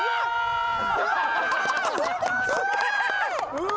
うわ！